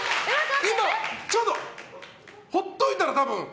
今、ちょっとほっといたら多分。